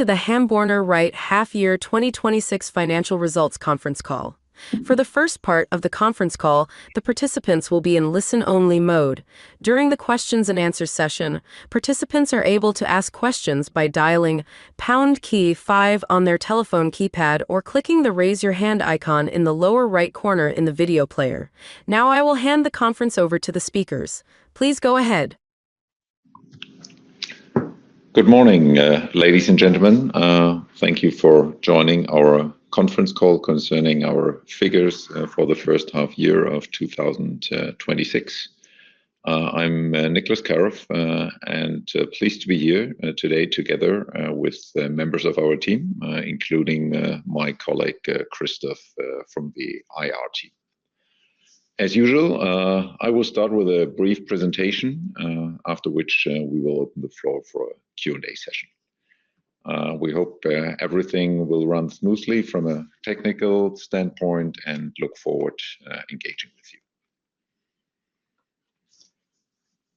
Welcome To the Hamborner REIT half year 2026 financial results conference call. For the first part of the conference call, the participants will be in listen-only mode. During the questions and answers session, participants are able to ask questions by dialing #5 on their telephone keypad or clicking the raise your hand icon in the lower right corner in the video player. I will hand the conference over to the speakers. Please go ahead. Good morning, ladies and gentlemen. Thank you for joining our conference call concerning our figures for the first half year of 2026. I am Niclas Karoff, and pleased to be here today together with members of our team, including my colleague, Christoph, from the IR team. As usual, I will start with a brief presentation, after which we will open the floor for a Q&A session. We hope everything will run smoothly from a technical standpoint and look forward engaging with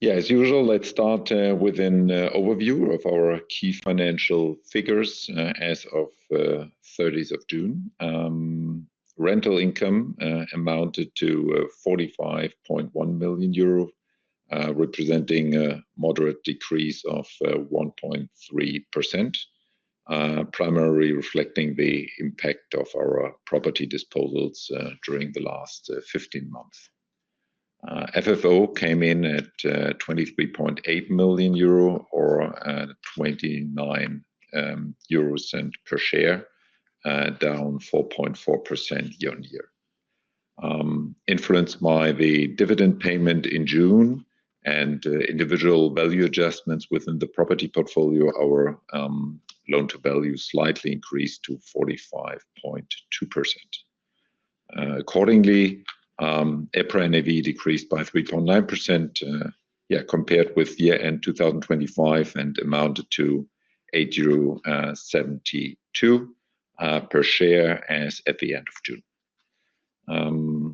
you. As usual, let us start with an overview of our key financial figures as of June 30th. Rental income amounted to 45.1 million euro, representing a moderate decrease of 1.3%, primarily reflecting the impact of our property disposals during the last 15 months. FFO came in at 23.8 million euro or 0.29 euros per share, down 4.4% year-on-year. Influenced by the dividend payment in June and individual value adjustments within the property portfolio, our loan to value slightly increased to 45.2%. Accordingly, EPRA NAV decreased by 3.9% compared with year-end 2025 and amounted to 8.72 per share as at the end of June.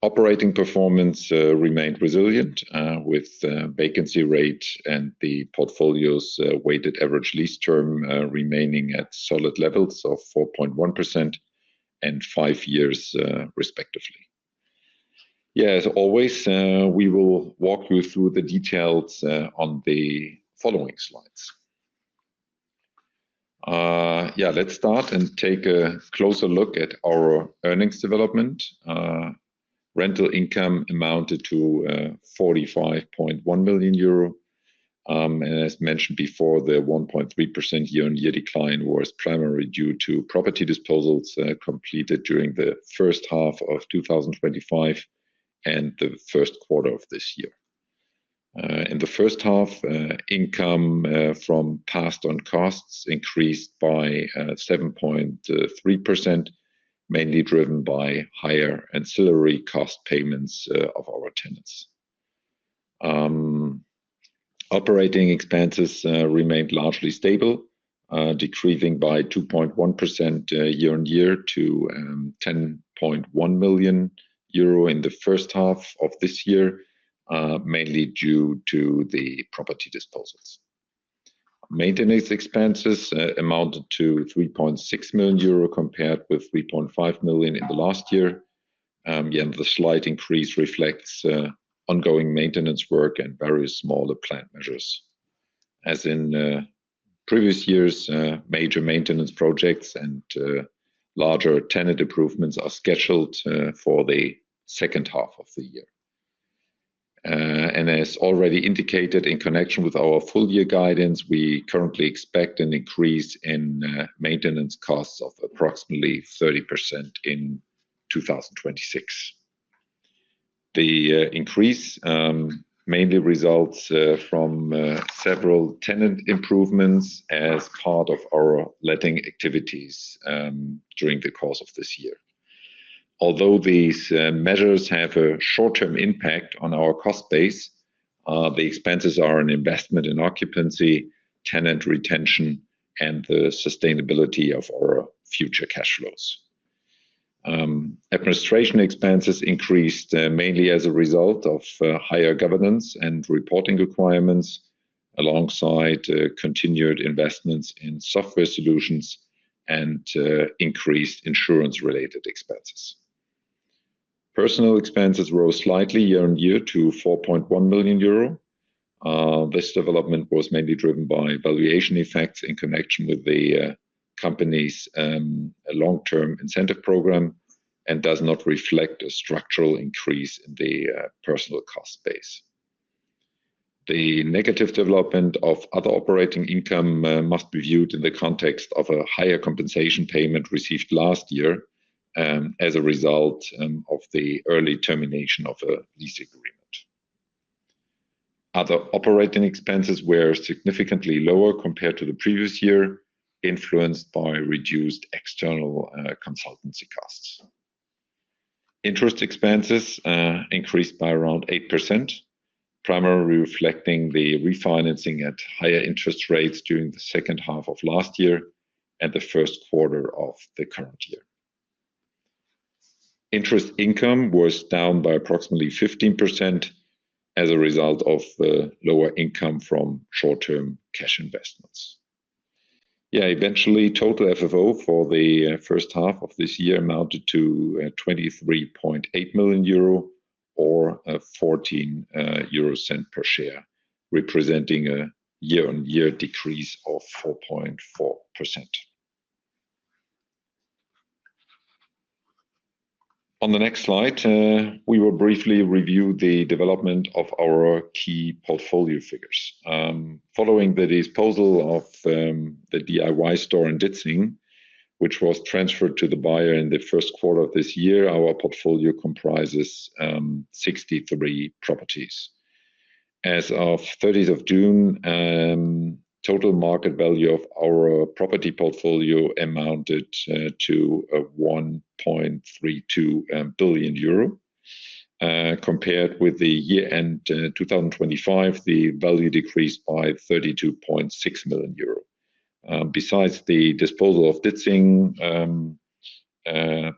Operating performance remained resilient, with vacancy rate and the portfolio's weighted average lease term remaining at solid levels of 4.1% and five years respectively. As always, we will walk you through the details on the following slides. Let us start and take a closer look at our earnings development. Rental income amounted to 45.1 million euro. As mentioned before, the 1.3% year-on-year decline was primarily due to property disposals completed during the first half of 2025 and the first quarter of this year. In the first half, income from passed on costs increased by 7.3%, mainly driven by higher ancillary cost payments of our tenants. Operating expenses remained largely stable, decreasing by 2.1% year-on-year to 10.1 million euro in the first half of this year, mainly due to the property disposals. Maintenance expenses amounted to 3.6 million euro, compared with 3.5 million in the last year. Again, the slight increase reflects ongoing maintenance work and various smaller planned measures. As in previous years, major maintenance projects and larger tenant improvements are scheduled for the second half of the year. As already indicated in connection with our full year guidance, we currently expect an increase in maintenance costs of approximately 30% in 2026. The increase mainly results from several tenant improvements as part of our letting activities during the course of this year. Although these measures have a short-term impact on our cost base, the expenses are an investment in occupancy, tenant retention, and the sustainability of our future cash flows. Administration expenses increased mainly as a result of higher governance and reporting requirements, alongside continued investments in software solutions and increased insurance-related expenses. Personnel expenses rose slightly year-on-year to 4.1 million euro. This development was mainly driven by valuation effects in connection with the company's long-term incentive program and does not reflect a structural increase in the personnel cost base. The negative development of other operating income must be viewed in the context of a higher compensation payment received last year as a result of the early termination of a lease agreement. Other operating expenses were significantly lower compared to the previous year, influenced by reduced external consultancy costs. Interest expenses increased by around 8%, primarily reflecting the refinancing at higher interest rates during the second half of last year and the first quarter of the current year. Interest income was down by approximately 15% as a result of the lower income from short-term cash investments. Eventually, total FFO for the first half of this year amounted to 23.8 million euro or 0.14 per share, representing a year-on-year decrease of 4.4%. On the next slide, we will briefly review the development of our key portfolio figures. Following the disposal of the DIY store in Ditzingen, which was transferred to the buyer in the first quarter of this year, our portfolio comprises 63 properties. As of 30th of June, total market value of our property portfolio amounted to 1.32 billion euro. Compared with the year-end 2025, the value decreased by 32.6 million euro. Besides the disposal of Ditzingen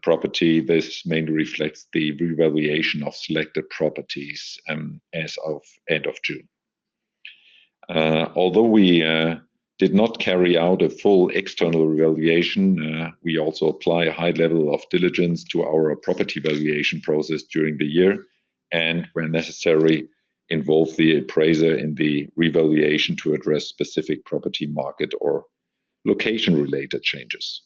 property, this mainly reflects the revaluation of selected properties as of end of June. Although we did not carry out a full external revaluation, we also apply a high level of diligence to our property valuation process during the year, and where necessary, involve the appraiser in the revaluation to address specific property market or location-related changes.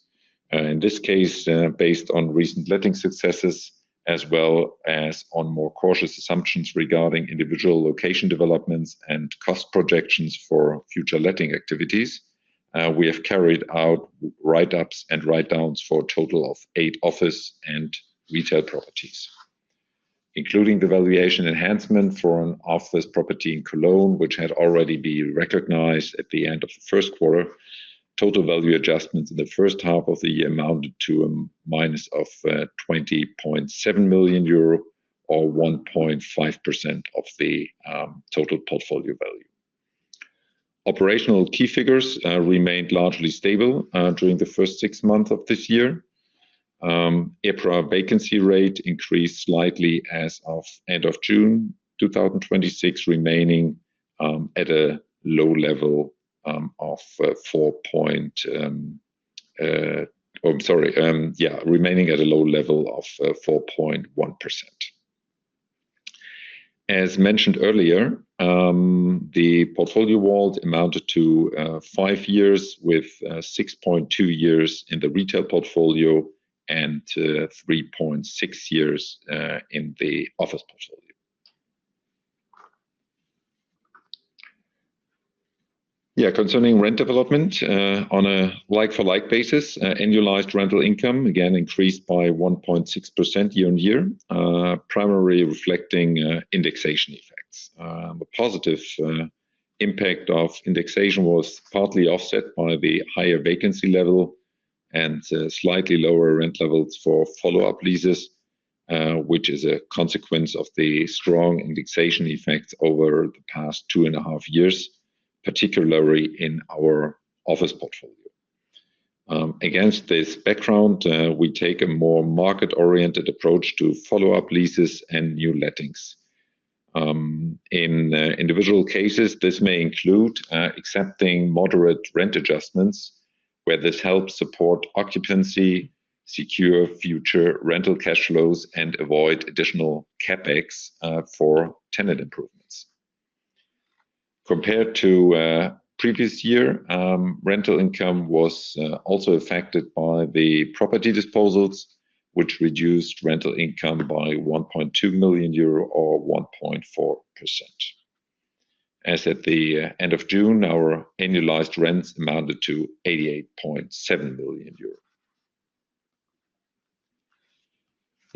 In this case, based on recent letting successes as well as on more cautious assumptions regarding individual location developments and cost projections for future letting activities, we have carried out write-ups and write-downs for a total of eight office and retail properties. Including the valuation enhancement for an office property in Cologne, which had already been recognized at the end of the first quarter, total value adjustments in the first half of the year amounted to a minus of 20.7 million euro or 1.5% of the total portfolio value. Operational key figures remained largely stable during the first six months of this year. EPRA vacancy rate increased slightly as of end of June 2026, remaining at a low level of 4.1%. As mentioned earlier, the portfolio WALT amounted to five years, with 6.2 years in the retail portfolio and 3.6 years in the office portfolio. Concerning rent development on a like-for-like basis, annualized rental income again increased by 1.6% year-on-year, primarily reflecting indexation effects. The positive impact of indexation was partly offset by the higher vacancy level and slightly lower rent levels for follow-up leases, which is a consequence of the strong indexation effect over the past two and a half years, particularly in our office portfolio. Against this background, we take a more market-oriented approach to follow-up leases and new lettings. In individual cases, this may include accepting moderate rent adjustments where this helps support occupancy, secure future rental cash flows, and avoid additional CapEx for tenant improvements. Compared to previous year, rental income was also affected by the property disposals, which reduced rental income by 1.2 million euro or 1.4%. As at the end of June, our annualized rents amounted to 88.7 million euros.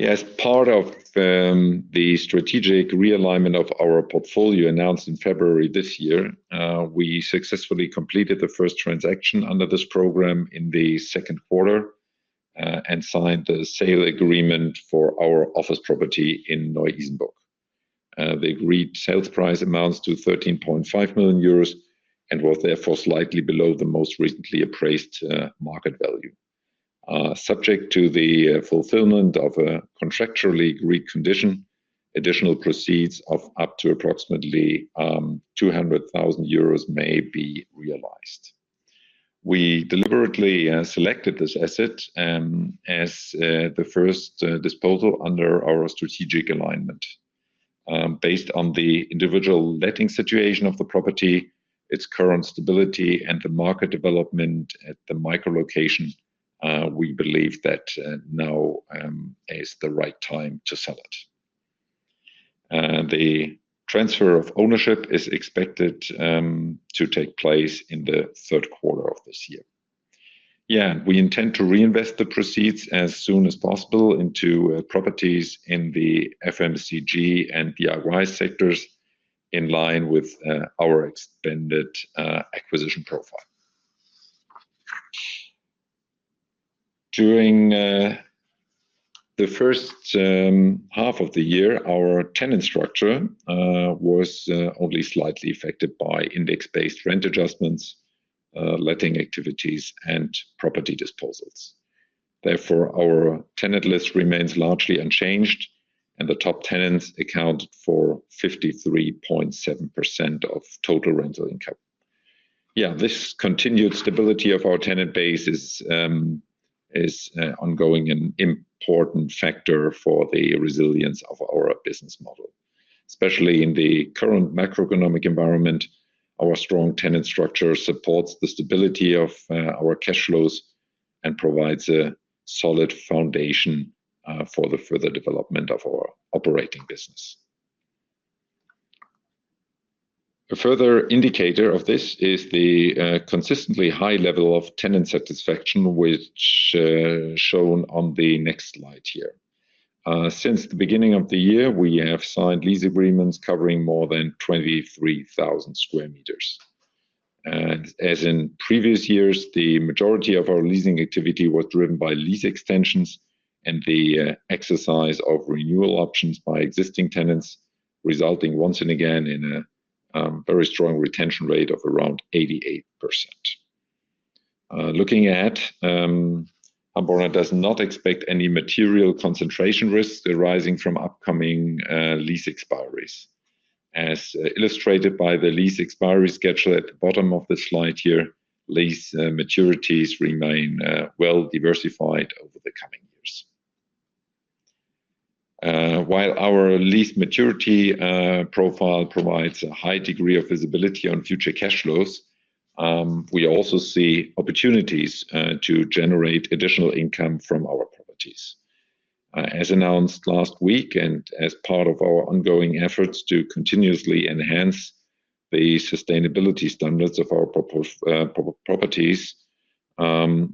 As part of the strategic realignment of our portfolio announced in February this year, we successfully completed the first transaction under this program in the second quarter and signed the sale agreement for our office property in Neu-Isenburg. The agreed sales price amounts to 13.5 million euros and was therefore slightly below the most recently appraised market value. Subject to the fulfillment of a contractually agreed condition, additional proceeds of up to approximately 200,000 euros may be realized. We deliberately selected this asset as the first disposal under our strategic alignment. Based on the individual letting situation of the property, its current stability, and the market development at the micro location, we believe that now is the right time to sell it. The transfer of ownership is expected to take place in the third quarter of this year. We intend to reinvest the proceeds as soon as possible into properties in the FMCG and DIY sectors in line with our extended acquisition profile. During the first half of the year, our tenant structure was only slightly affected by index-based rent adjustments, letting activities, and property disposals. Therefore, our tenant list remains largely unchanged, and the top tenants account for 53.7% of total rental income. This continued stability of our tenant base is an ongoing and important factor for the resilience of our business model. Especially in the current macroeconomic environment, our strong tenant structure supports the stability of our cash flows and provides a solid foundation for the further development of our operating business. A further indicator of this is the consistently high level of tenant satisfaction, which shown on the next slide here. Since the beginning of the year, we have signed lease agreements covering more than 23,000 sq m. As in previous years, the majority of our leasing activity was driven by lease extensions and the exercise of renewal options by existing tenants, resulting once and again in a very strong retention rate of around 88%. Looking ahead, Hamborner does not expect any material concentration risks arising from upcoming lease expiries. As illustrated by the lease expiry schedule at the bottom of the slide here, lease maturities remain well-diversified over the coming years. While our lease maturity profile provides a high degree of visibility on future cash flows, we also see opportunities to generate additional income from our properties. As announced last week and as part of our ongoing efforts to continuously enhance the sustainability standards of our properties,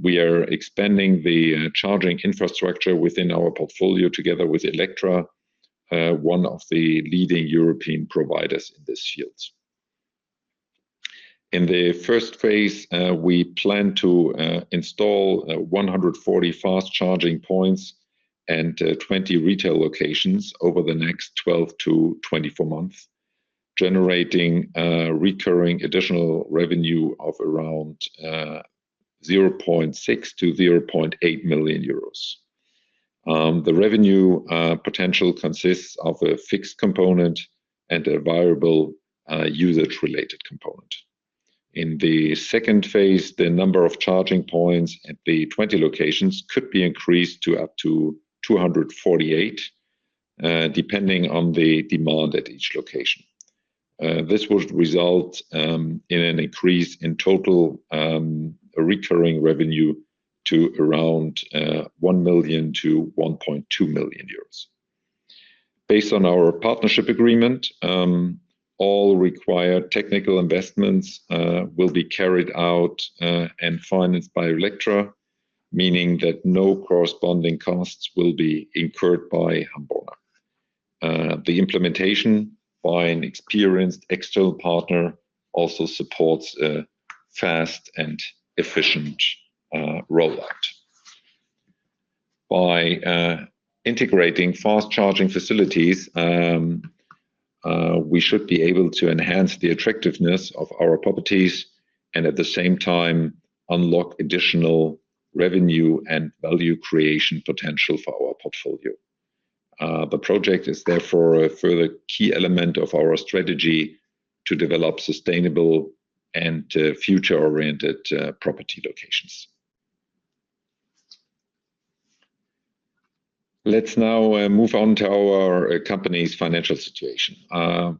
we are expanding the charging infrastructure within our portfolio together with Electra, one of the leading European providers in this field. In the first phase, we plan to install 140 fast charging points and 20 retail locations over the next 12 to 24 months, generating recurring additional revenue of around 0.6 million-0.8 million euros. The revenue potential consists of a fixed component and a variable usage related component. In the two phase, the number of charging points at the 20 locations could be increased to up to 248, depending on the demand at each location. This would result in an increase in total recurring revenue to around 1 million-1.2 million euros. Based on our partnership agreement, all required technical investments will be carried out and financed by Electra, meaning that no corresponding costs will be incurred by Hamborner. The implementation by an experienced external partner also supports a fast and efficient rollout. By integrating fast charging facilities, we should be able to enhance the attractiveness of our properties and at the same time unlock additional revenue and value creation potential for our portfolio. The project is therefore a further key element of our strategy to develop sustainable and future-oriented property locations. Let's now move on to our company's financial situation.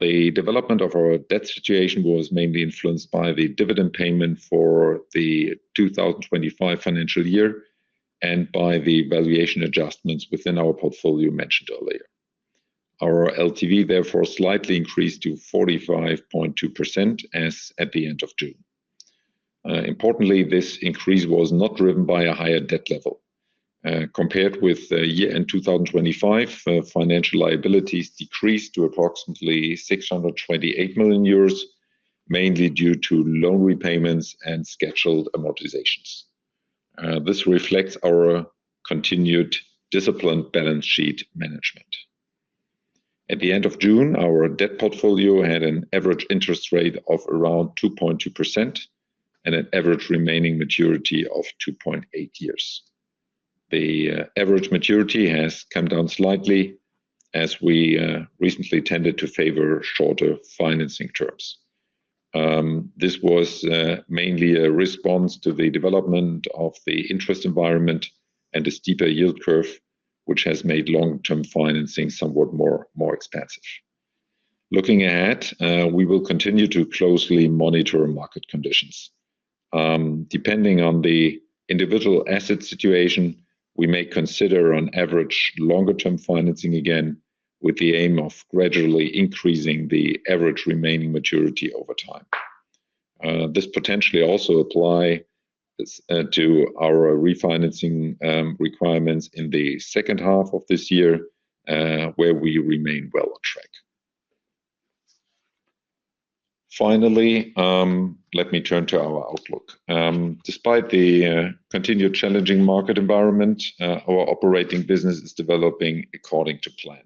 The development of our debt situation was mainly influenced by the dividend payment for the FY 2025 and by the valuation adjustments within our portfolio mentioned earlier. Our LTV therefore slightly increased to 45.2% as at the end of June. Importantly, this increase was not driven by a higher debt level. Compared with the year-end 2025, financial liabilities decreased to approximately 628 million euros, mainly due to loan repayments and scheduled amortizations. This reflects our continued disciplined balance sheet management. At the end of June, our debt portfolio had an average interest rate of around 2.2% and an average remaining maturity of 2.8 years. The average maturity has come down slightly as we recently tended to favor shorter financing terms. This was mainly a response to the development of the interest environment and a steeper yield curve, which has made long-term financing somewhat more expensive. Looking ahead, we will continue to closely monitor market conditions. Depending on the individual asset situation, we may consider on average longer term financing again with the aim of gradually increasing the average remaining maturity over time. This potentially also apply to our refinancing requirements in the second half of this year, where we remain well positioned. Finally, let me turn to our outlook. Despite the continued challenging market environment, our operating business is developing according to plan.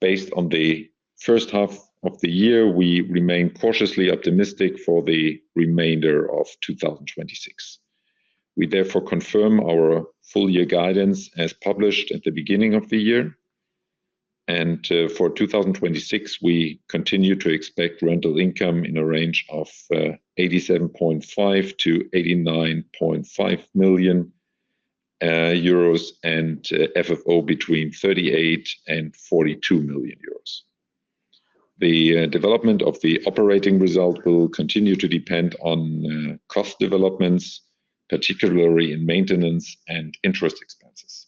Based on the first half of the year, we remain cautiously optimistic for the remainder of 2026. We therefore confirm our full year guidance as published at the beginning of the year. For 2026, we continue to expect rental income in a range of 87.5 million-89.5 million euros, and FFO between 38 million and 42 million euros. The development of the operating result will continue to depend on cost developments, particularly in maintenance and interest expenses.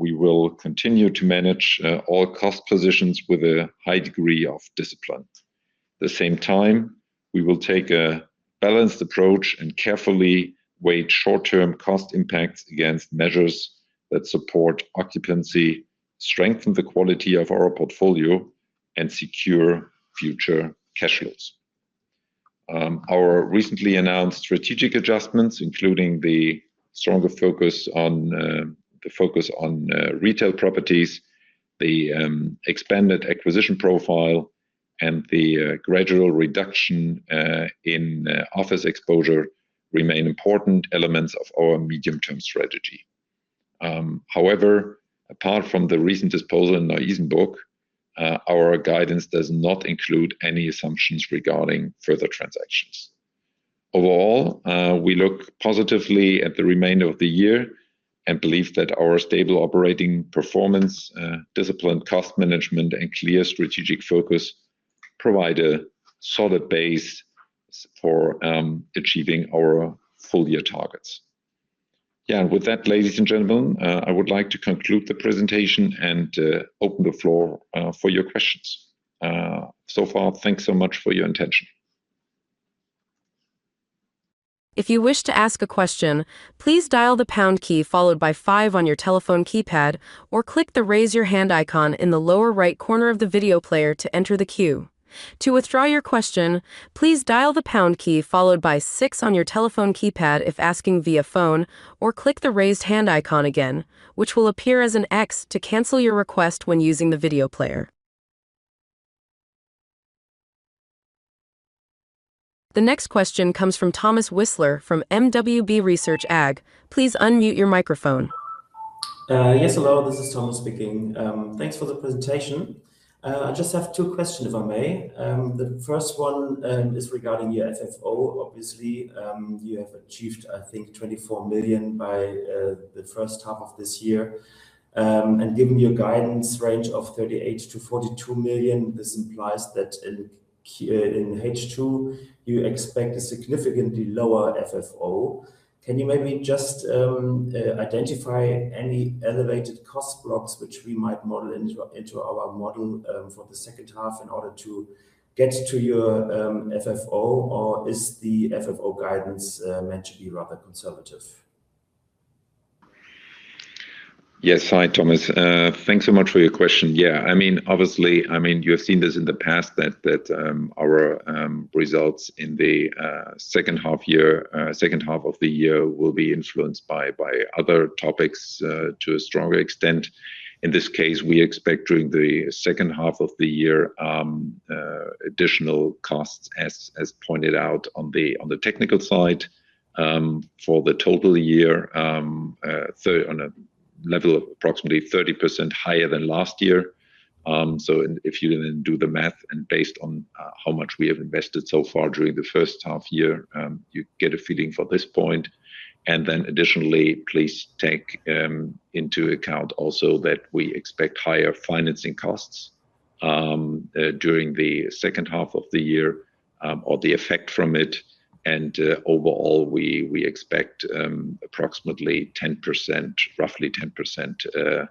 We will continue to manage all cost positions with a high degree of discipline. At the same time, we will take a balanced approach and carefully weigh short-term cost impacts against measures that support occupancy, strengthen the quality of our portfolio, and secure future cash flows. Our recently announced strategic adjustments, including the stronger focus on retail properties, the expanded acquisition profile, and the gradual reduction in office exposure remain important elements of our medium-term strategy. However, apart from the recent disposal in Neu-Isenburg, our guidance does not include any assumptions regarding further transactions. Overall, we look positively at the remainder of the year and believe that our stable operating performance, disciplined cost management, and clear strategic focus provide a solid base for achieving our full-year targets. With that, ladies and gentlemen, I would like to conclude the presentation and open the floor for your questions. So far, thanks so much for your attention. If you wish to ask a question, please dial the pound key followed by five on your telephone keypad, or click the Raise Your Hand icon in the lower right corner of the video player to enter the queue. To withdraw your question, please dial the pound key followed by six on your telephone keypad if asking via phone, or click the raised hand icon again, which will appear as an X, to cancel your request when using the video player. The next question comes from Thomas Wissler from mwb research AG. Please unmute your microphone. Yes. Hello, this is Thomas speaking. Thanks for the presentation. I just have two questions, if I may. The first one is regarding your FFO. Obviously, you have achieved, I think, 24 million by the first half of this year. Given your guidance range of 38 million-42 million, this implies that in H2, you expect a significantly lower FFO. Can you maybe just identify any elevated cost blocks which we might model into our model for the second half in order to get to your FFO? Or is the FFO guidance meant to be rather conservative? Yes. Hi, Thomas. Thanks so much for your question. Obviously, you have seen this in the past that our results in the second half of the year will be influenced by other topics to a stronger extent. In this case, we expect during the second half of the year, additional costs, as pointed out on the technical side, for the total year on a level approximately 30% higher than last year. If you then do the math and based on how much we have invested so far during the first half year, you get a feeling for this point. Additionally, please take into account also that we expect higher financing costs during the second half of the year, or the effect from it. Overall, we expect approximately 10%, roughly 10%,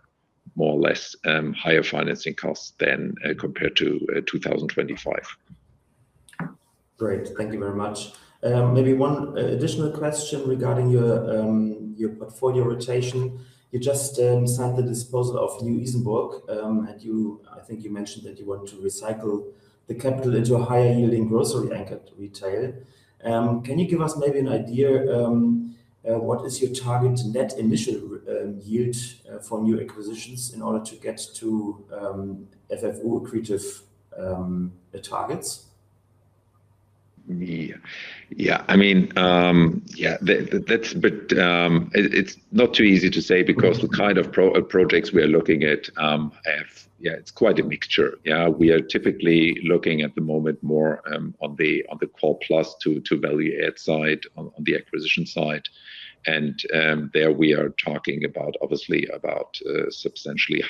more or less, higher financing costs than compared to 2025. Great. Thank you very much. Maybe one additional question regarding your portfolio rotation. You just signed the disposal of Neu-Isenburg. I think you mentioned that you want to recycle the capital into a higher yielding grocery anchored retail. Can you give us maybe an idea, what is your target net initial yield for new acquisitions in order to get to FFO accretive targets? Yeah. It's not too easy to say because the kind of projects we are looking at have. It's quite a mixture. We are typically looking at the moment more on the core plus to value add side on the acquisition side. There we are talking obviously about substantially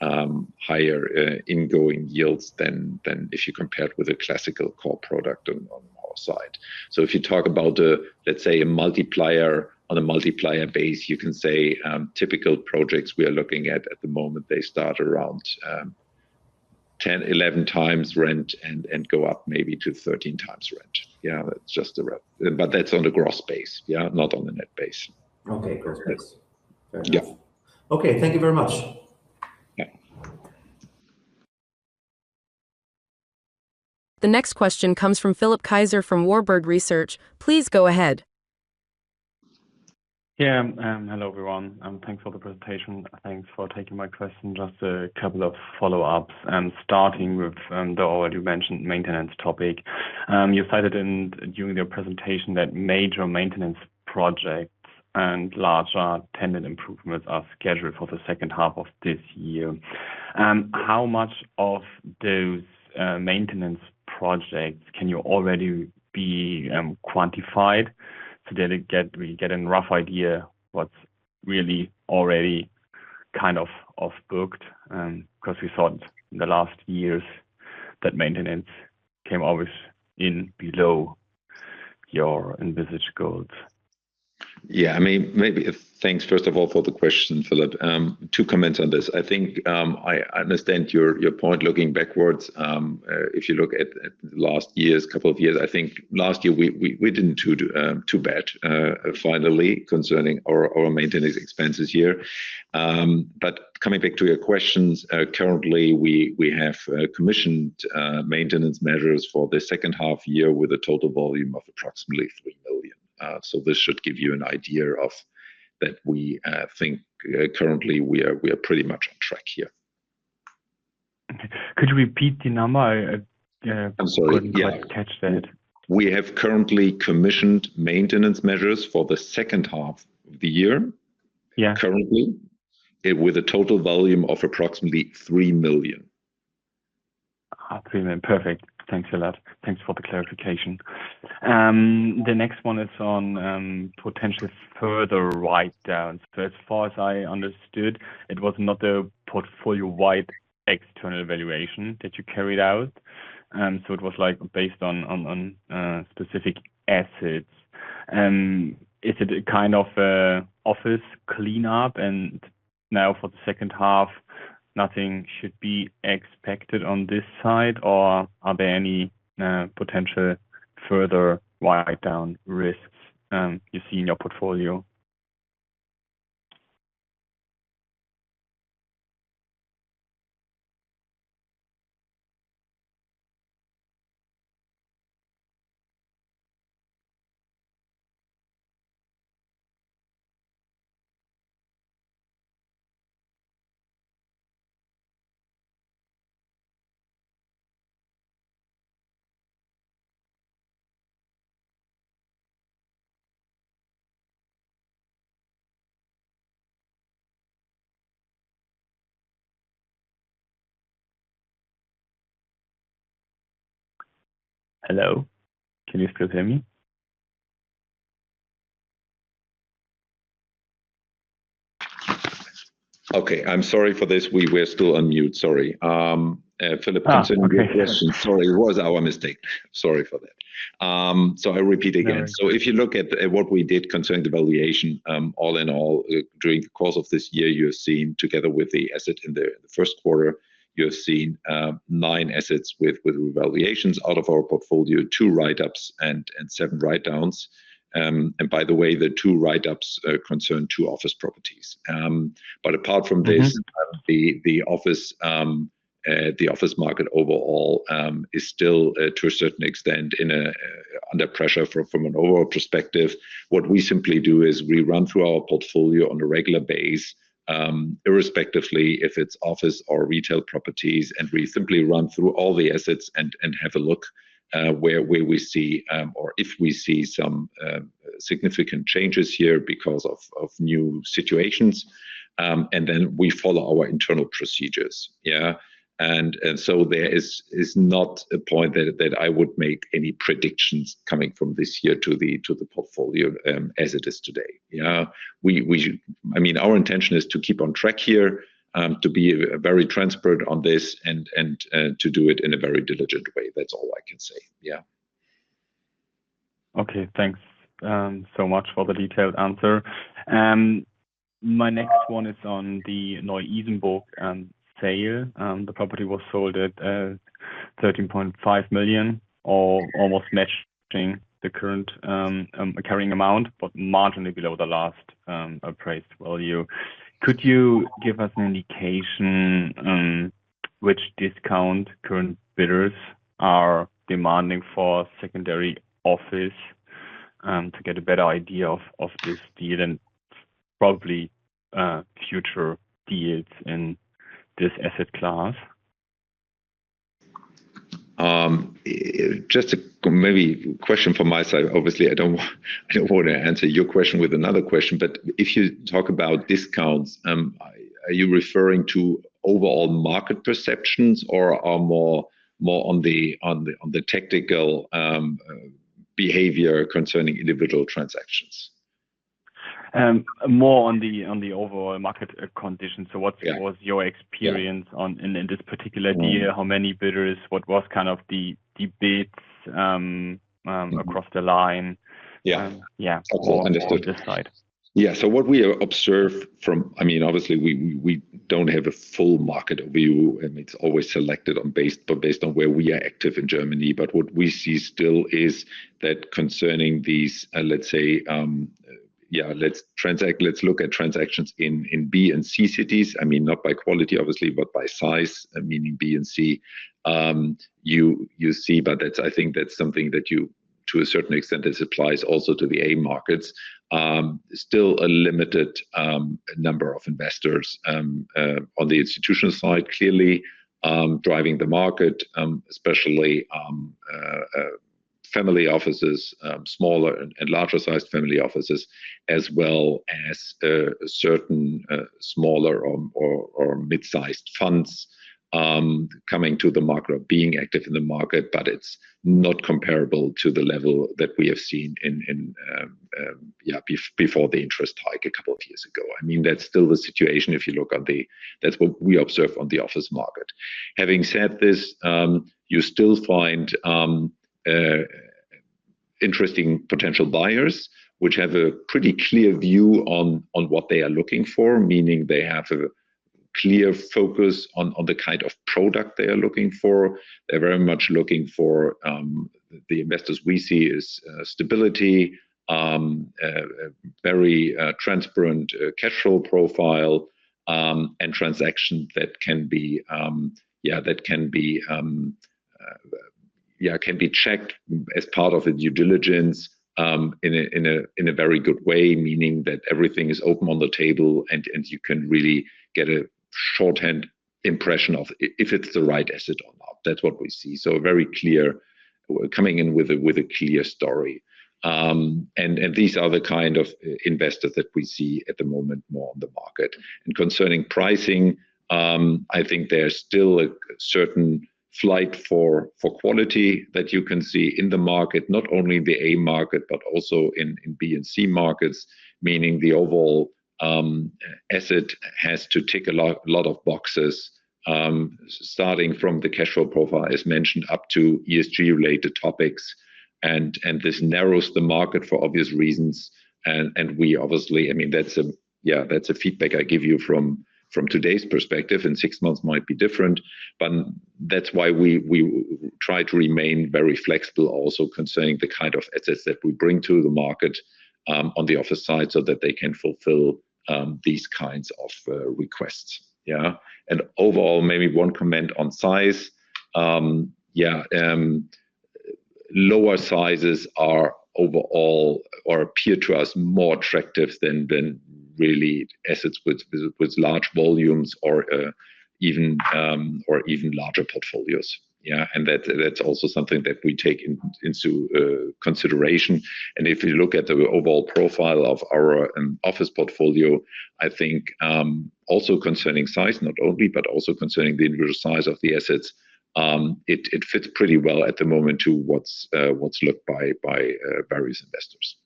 higher ingoing yields than if you compare it with a classical core product on our side. If you talk about, let's say, on a multiplier base, you can say typical projects we are looking at at the moment, they start around 10, 11x rent and go up maybe to 13x rent. Yeah. That's on the gross base. Not on the net base. Okay. Gross base. Yeah. Okay. Thank you very much. The next question comes from Philipp Kaiser from Warburg Research. Please go ahead. Yeah. Hello, everyone. Thanks for the presentation. Thanks for taking my question. Just a couple of follow-ups. Starting with the already mentioned maintenance topic. You cited during your presentation that major maintenance projects and larger tenant improvements are scheduled for the second half of this year. How much of those maintenance projects can already be quantified so that we get a rough idea what's really already kind of off-booked? Because we thought in the last years that maintenance came always in below your envisaged goals. Yeah. Thanks first of all for the question, Philipp. Two comments on this. I think I understand your point looking backwards. If you look at last year's, couple of years, I think last year we didn't do too bad finally concerning our maintenance expenses here. Coming back to your questions. Currently, we have commissioned maintenance measures for the second half year with a total volume of approximately 3 million. This should give you an idea that we think currently we are pretty much on track here. Okay. Could you repeat the number? I'm sorry. Yeah. I couldn't quite catch that. We have currently commissioned maintenance measures for the second half of the year. Yeah. Currently, with a total volume of approximately 3 million. 3 million. Perfect. Thanks a lot. Thanks for the clarification. The next one is on potential further write down. As far as I understood, it was not a portfolio-wide external valuation that you carried out. It was based on specific assets. Is it a kind of office cleanup and now for the second half, nothing should be expected on this side, or are there any potential further write down risks you see in your portfolio? Hello? Can you still hear me? Okay. I'm sorry for this. We were still on mute. Sorry. Philipp, concerning your question. Okay. Sorry. It was our mistake. Sorry for that. I repeat again. No. If you look at what we did concerning the valuation all in all during the course of this year, you have seen together with the asset in the first quarter, you have seen nine assets with revaluations out of our portfolio, two write-ups and seven write-downs. By the way, the two write-ups concern two office properties. Apart from this. The office market overall is still, to a certain extent, under pressure from an overall perspective. What we simply do is we run through our portfolio on a regular basis, irrespective if it's office or retail properties, we simply run through all the assets and have a look where we see or if we see some significant changes here because of new situations. Then we follow our internal procedures. Yeah. There is not a point that I would make any predictions coming from this year to the portfolio as it is today. Our intention is to keep on track here to be very transparent on this and to do it in a very diligent way. That's all I can say. Yeah. Okay. Thanks so much for the detailed answer. My next one is on the Neu-Isenburg sale. The property was sold at 13.5 million, or almost matching the current carrying amount, but marginally below the last appraised value. Could you give us an indication on which discount current bidders are demanding for secondary office to get a better idea of this deal and probably future deals in this asset class? Just maybe a question from my side. Obviously, I don't want to answer your question with another question, but if you talk about discounts, are you referring to overall market perceptions or more on the tactical behavior concerning individual transactions? More on the overall market condition. Yeah. What was your experience in this particular deal? How many bidders? What was kind of the bids across the line? Yeah. Yeah. Okay. Understood. On this side. What we observe Obviously we don't have a full market view, and it's always selected based on where we are active in Germany. What we see still is that concerning these transactions in B and C cities. Not by quality, obviously, but by size, meaning B and C. You see, I think that's something that, to a certain extent, this applies also to the A markets. Still a limited number of investors on the institutional side, clearly driving the market, especially family offices, smaller and larger sized family offices, as well as certain smaller or mid-sized funds coming to the market or being active in the market, but it's not comparable to the level that we have seen before the interest hike a couple of years ago. That's still the situation if you look at That's what we observe on the office market. Having said this, you still find interesting potential buyers, which have a pretty clear view on what they are looking for, meaning they have a clear focus on the kind of product they are looking for. They're very much looking for, the investors we see, is stability, very transparent cash flow profile, and transaction that can be checked as part of the due diligence in a very good way, meaning that everything is open on the table and you can really get a shorthand impression of if it's the right asset or not. That's what we see. Very clear, coming in with a clear story. These are the kind of investors that we see at the moment more on the market. Concerning pricing, I think there's still a certain flight for quality that you can see in the market. Not only in the A market, but also in B and C markets, meaning the overall asset has to tick a lot of boxes, starting from the cash flow profile, as mentioned, up to ESG-related topics. This narrows the market for obvious reasons. We obviously, that's a feedback I give you from today's perspective. In six months might be different, but that's why we try to remain very flexible also concerning the kind of assets that we bring to the market on the office side so that they can fulfill these kinds of requests. Overall, maybe one comment on size. Lower sizes are overall, or appear to us, more attractive than really assets with large volumes or even larger portfolios. That's also something that we take into consideration. If you look at the overall profile of our office portfolio, I think also concerning size, not only, but also concerning the individual size of the assets, it fits pretty well at the moment to what's looked by various investors.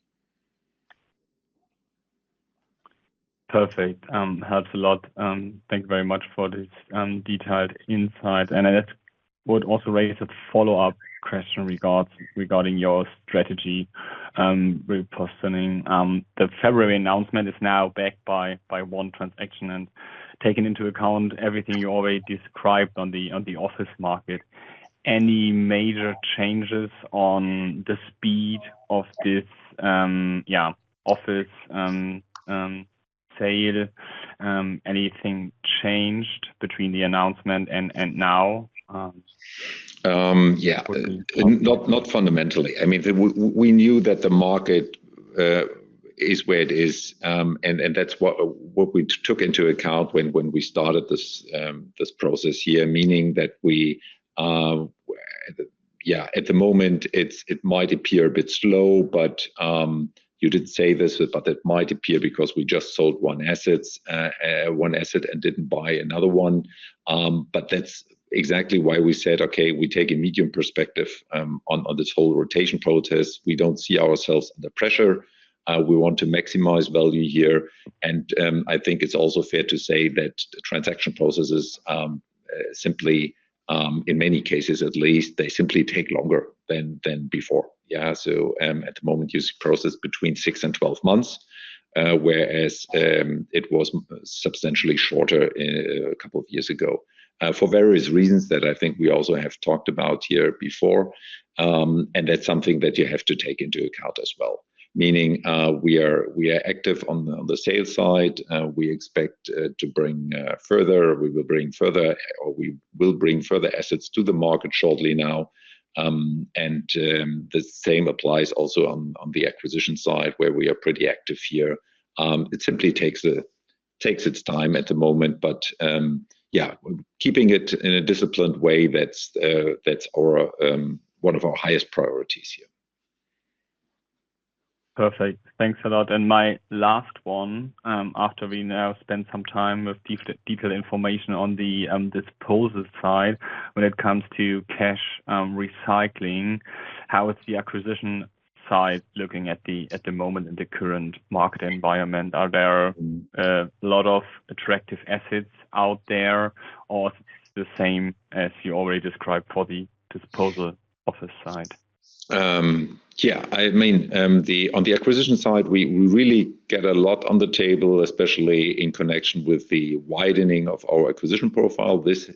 Perfect. Helps a lot. Thank you very much for this detailed insight. I just would also raise a follow-up question regarding your strategy. We're posturing the February announcement is now backed by one transaction and taking into account everything you already described on the office market. Any major changes on the speed of this office sale? Anything changed between the announcement and now? Not fundamentally. We knew that the market is where it is. That's what we took into account when we started this process here, meaning that at the moment it might appear a bit slow, but you did say this, but that might appear because we just sold one asset and didn't buy another one. That's exactly why we said, okay, we take a medium perspective on this whole rotation process. We don't see ourselves under pressure. We want to maximize value here. I think it's also fair to say that transaction processes simply, in many cases at least, they simply take longer than before. At the moment, you process between six and 12 months, whereas it was substantially shorter a couple of years ago. For various reasons that I think we also have talked about here before, that's something that you have to take into account as well. Meaning we are active on the sales side. We expect to bring further, or we will bring further assets to the market shortly now. The same applies also on the acquisition side, where we are pretty active here. It simply takes its time at the moment, but keeping it in a disciplined way, that's one of our highest priorities here. Perfect. Thanks a lot. My last one, after we now spend some time with detailed information on the disposal side when it comes to cash recycling, how is the acquisition side looking at the moment in the current market environment? Are there a lot of attractive assets out there or the same as you already described for the disposal office side? On the acquisition side, we really get a lot on the table, especially in connection with the widening of our acquisition profile. This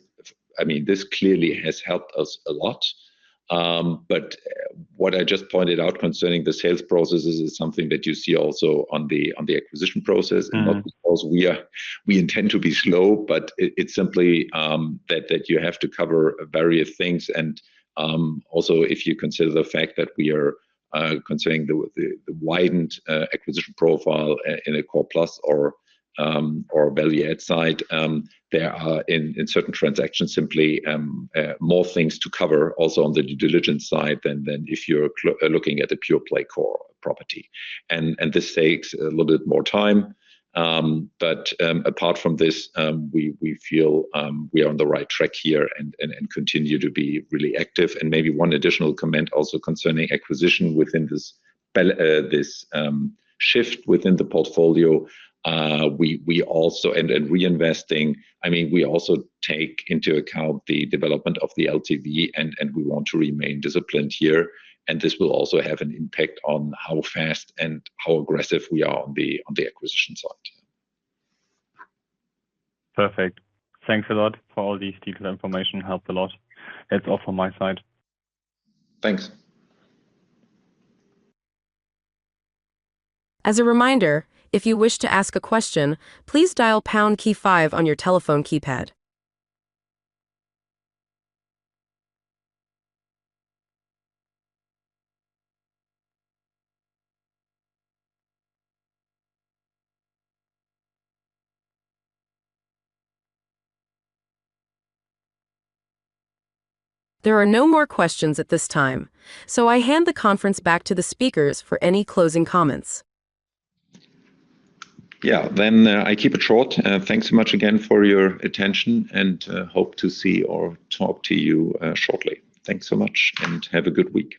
clearly has helped us a lot. What I just pointed out concerning the sales process is something that you see also on the acquisition process. Not because we intend to be slow, but it's simply that you have to cover various things. Also if you consider the fact that we are considering the widened acquisition profile in a core plus or value add side, there are in certain transactions simply more things to cover also on the due diligence side than if you're looking at a pure-play core property. This takes a little bit more time. Apart from this, we feel we are on the right track here and continue to be really active. Maybe one additional comment also concerning acquisition within this shift within the portfolio, and reinvesting. We also take into account the development of the LTV, and we want to remain disciplined here. This will also have an impact on how fast and how aggressive we are on the acquisition side. Perfect. Thanks a lot for all these detailed information. Helped a lot. That's all from my side. Thanks. As a reminder, if you wish to ask a question, please dial pound key five on your telephone keypad. There are no more questions at this time. I hand the conference back to the speakers for any closing comments. I keep it short. Thanks so much again for your attention, and hope to see or talk to you shortly. Thanks so much, and have a good week.